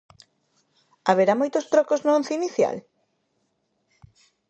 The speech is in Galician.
Haberá moitos trocos no once inicial?